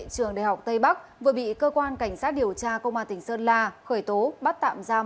trường đại học tây bắc vừa bị cơ quan cảnh sát điều tra công an tỉnh sơn la khởi tố bắt tạm giam